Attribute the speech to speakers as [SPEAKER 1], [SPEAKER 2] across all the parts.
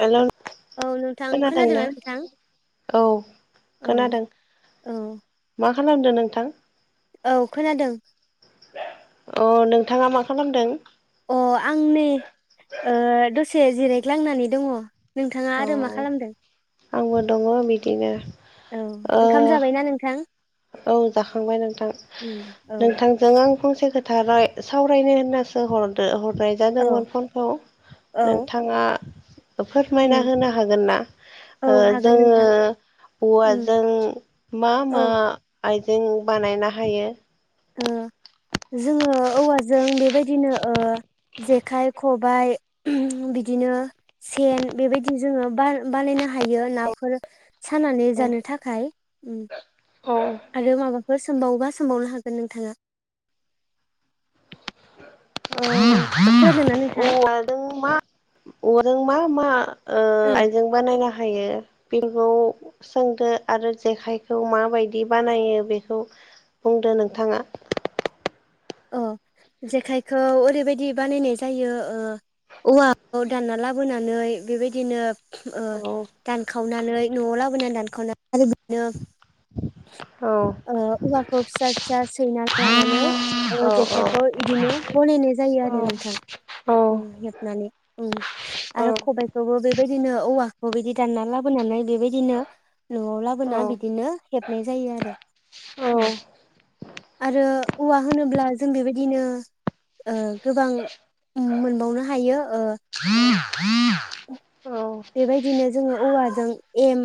[SPEAKER 1] हेल'
[SPEAKER 2] औ नोंथां खोनादोंना नोंथां?
[SPEAKER 1] औ
[SPEAKER 2] औ
[SPEAKER 1] खोनादों
[SPEAKER 2] औ
[SPEAKER 1] मा खालामदो नोंथां?
[SPEAKER 2] औ खोनादों
[SPEAKER 1] अ नोंथाङा मा खालामदों?
[SPEAKER 2] अ आं नै ओ दसे जिरायग्लांनानै दङ। नोंथाङा
[SPEAKER 1] अ
[SPEAKER 2] आरो मा खालामदों?
[SPEAKER 1] आंबो दङ बिदिनो
[SPEAKER 2] औ
[SPEAKER 1] ओ
[SPEAKER 2] ओंखाम जाबायना नोंथां?
[SPEAKER 1] औ जाखांबाय नोंथां
[SPEAKER 2] उम औ
[SPEAKER 1] नोंथांजों आं फंसे खोथा राय सावरायनो होननासो हरदो हर नाय
[SPEAKER 2] औ
[SPEAKER 1] जादोंमोन फनखौ
[SPEAKER 2] औ
[SPEAKER 1] नोंथाङा फोरमायना
[SPEAKER 2] उम
[SPEAKER 1] होनो हागोन ना?
[SPEAKER 2] औ
[SPEAKER 1] ओ
[SPEAKER 2] हागोन
[SPEAKER 1] जोङो
[SPEAKER 2] नोंथां उम
[SPEAKER 1] औवाजों मा
[SPEAKER 2] औ
[SPEAKER 1] मा आइजें बानायना हायो।
[SPEAKER 2] ओ जोङो औवाजों बेबायदिनो ओ जेखाइ खबाइ बिदिनो सेन बेबायदि जोङो बान बानायनो हायो नाफोर सानानै जानो थाखाय।
[SPEAKER 1] औ
[SPEAKER 2] आरो माबाफोर सोमबावोबा सोमबावनो हागोन नोंथाङा। खोनादोंना नों
[SPEAKER 1] औवाजों मा औवाजों मा मा ओ आइजों बानायनो हा यो बेखौ सोंदो आरो जेखाइखौ माबायदि बानायो बेखौ बुंदो नोंथाङा।
[SPEAKER 2] ओ जेखाइखौ ओरैबायदि बानायनाय जायो ओ औवाखौ दानना लाबोनानै बेबायदिनो ओ
[SPEAKER 1] औ
[SPEAKER 2] दानखावनानै न'आव लाबोनानै दानखावना आरो बिदिनो
[SPEAKER 1] औ
[SPEAKER 2] ओ औवाखौ फिसा फिसा सैना लानानै
[SPEAKER 1] औ
[SPEAKER 2] ओ
[SPEAKER 1] औ
[SPEAKER 2] जेखाइखौ इदिनो बनायनाय जायो आरो
[SPEAKER 1] औ
[SPEAKER 2] नोंथां।
[SPEAKER 1] औ
[SPEAKER 2] उम हेबनानै उम
[SPEAKER 1] औ
[SPEAKER 2] आरो खबायखोबो बेबायदिनो औवा '- खो बिदि दानना लाबोनानै बेबायदिनो न'आव लाबोना बिदिनो हेबनाय जायो आरो उम आरो औवा होनोब्ला जों बेबायदिनो ओ गोबां मोनबावनो हायो ओ
[SPEAKER 1] [inaudible] औ
[SPEAKER 2] बेबायदिनो जोङो औवाजों एम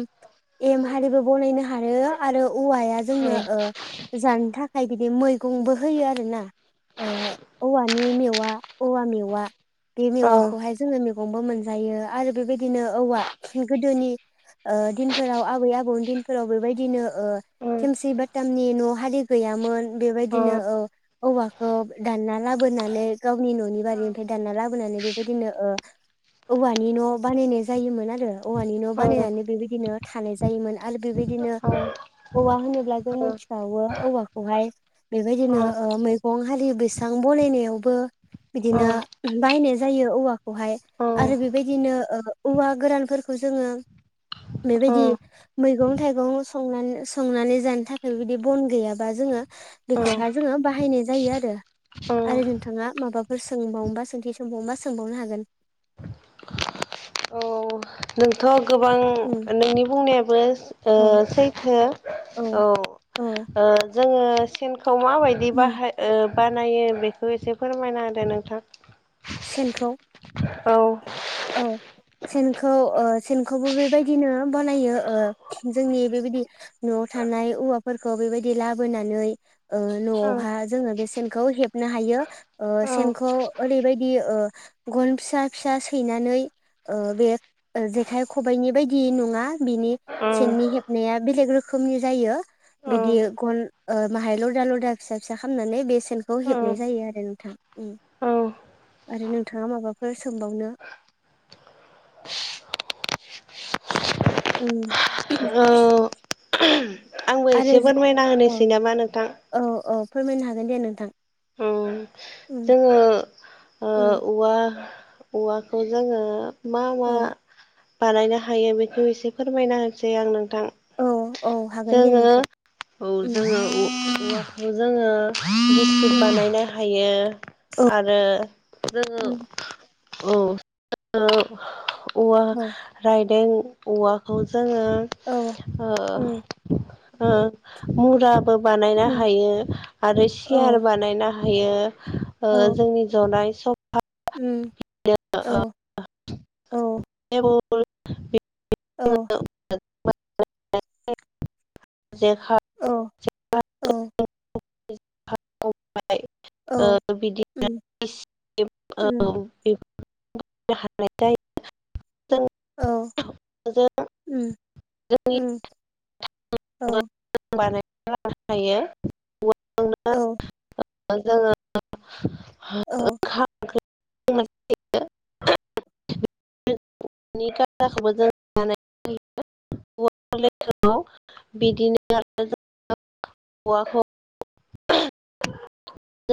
[SPEAKER 2] एम हारिबो बनायनो हायो आरो औवाया जोंनो ओ जानो थाखाय बिदि मैगंबो होयो आरो ना। ओ औवानि मेवा औवा मेवा बे मेवाखौहाय जोङो मैगंबो मोनजायो आरो बेबायदिनो औवा गोदोनि ओ दिनफोराव आबै आबौनि दिनफोराव बेबायदिनो ओ थेमसि बाथामनि न' हारि गैया मोन
[SPEAKER 1] औ
[SPEAKER 2] बेबायदिनो
[SPEAKER 1] औ
[SPEAKER 2] ओ औवाखौ दानना लाबोनानै गावनि न'नि बारिआव दान लाबोनानै बेबायदिनो ओ औवानि न' बानायनाय जायोमोन आरो औवानि न' बानायनानै बेबायदिनो थानाय जायोमोन आरो बेबायदिनो औवा होनोब्ला जों मिथिखावो औवाखौहाय बेबायदिनो ओ मैगं हारि बैसां बनायनायावबो बिदिनो बायनाय जायो औवाखौहाय आरो बेबायदिनो ओ औवा गोरानफोरखौ जोङो बेबायदि मैगं थाइगं संना- संनानै जानो थाखाय बिदि बन गैयाबा जों ङो बेखौहाय जोङो बाहायनाय जायो आरो। आरो नोंथाङा माबाफोर सोंबावनोबा सोंथि सोंबावनोबा सोंबावनो हागोन
[SPEAKER 1] [inaudible] [inaudible] नोंथ' गोबां
[SPEAKER 2] उम
[SPEAKER 1] नोंनि बुंनायाबो ओ
[SPEAKER 2] औ
[SPEAKER 1] सैथो औ
[SPEAKER 2] औ
[SPEAKER 1] ओ जोङो सेनखौ माबायदि
[SPEAKER 2] उम
[SPEAKER 1] बाहाय ओ बानायो बेखौ एसे फोरमायना होदो नोंथां
[SPEAKER 2] सेनखौ
[SPEAKER 1] औ
[SPEAKER 2] औ सेनखौ ओ सेनखौबो बेबायदिनो बानायो ओ जोंनि बेबायदि न'आव थ' थानाय औवाफोरखौ बेबायदि लाबोनानै ओ
[SPEAKER 1] उम
[SPEAKER 2] न'आवहाय जोङो बे सेनखौ हेबनो हायो ओ सेनखौ ओरैबायदि ओ गन फिसा फिसा सैनानै ओ बे जेखाय खबाइनि बायदि नङा बिनि सेननि आ बेलेग रोखोमनि जायो बिदि गन ओ माहाय लदा लदा फिसा फिसा खालामामनानै बे सेनखौ हेबनाय
[SPEAKER 1] उम
[SPEAKER 2] जायो आरो नोंथां उम
[SPEAKER 1] उम
[SPEAKER 2] आरो नोंथाङा माबाफोर सोंबावनो उम
[SPEAKER 1] ओ
[SPEAKER 2] [inaudible]
[SPEAKER 1] आंबो
[SPEAKER 2] आरो
[SPEAKER 1] एसे फोरमायना
[SPEAKER 2] औ
[SPEAKER 1] होनोसै नामा नोंथां
[SPEAKER 2] औ औ फोरमायनो हागोन हागोन दे नोंथां
[SPEAKER 1] उम
[SPEAKER 2] उम
[SPEAKER 1] जोङो ओ
[SPEAKER 2] उम
[SPEAKER 1] औवा औवाखौ जोङो मा मा
[SPEAKER 2] औ
[SPEAKER 1] बानायनो हायो बेखौ एसे फोरमायना होनोसै आं नों थां
[SPEAKER 2] औ औ हागोन दे
[SPEAKER 1] जोङो
[SPEAKER 2] नोंथां
[SPEAKER 1] औ
[SPEAKER 2] उम
[SPEAKER 1] जोङो जोङो
[SPEAKER 2] उम
[SPEAKER 1] बिस्कुट
[SPEAKER 2] उम
[SPEAKER 1] बानायनो हायो
[SPEAKER 2] औ
[SPEAKER 1] आरो जोङो औ औवा रायदों औवाखौ जोङो
[SPEAKER 2] औ उम
[SPEAKER 1] मुराबो बानायनो
[SPEAKER 2] उम
[SPEAKER 1] हायो आरो
[SPEAKER 2] औ
[SPEAKER 1] सियार बानायनो हायो ओ
[SPEAKER 2] औ
[SPEAKER 1] जोंनि ज'नाय सफा
[SPEAKER 2] उम
[SPEAKER 1] [inaudible] [inaudible] बे
[SPEAKER 2] औ औ
[SPEAKER 1] [inaudible] [inaudible] जेखाय
[SPEAKER 2] औ औ
[SPEAKER 1] [inaudible] [inaudible] ओमफ्राय
[SPEAKER 2] औ
[SPEAKER 1] ओ बिदिनो
[SPEAKER 2] उम उम
[SPEAKER 1] [inaudible] [unintelligible] [inaudible] [inaudible]
[SPEAKER 2] औ
[SPEAKER 1] जों
[SPEAKER 2] उम उम औ
[SPEAKER 1] बानायनानै लानो हायो [inaudible] [inaudible]
[SPEAKER 2] औ
[SPEAKER 1] ओ जोंङो [inaudible]
[SPEAKER 2] औ
[SPEAKER 1] [inaudible] [inaudible] [inaudible] [inaudible] [unintelligible] [inaudible] [unintelligible] [inaudible]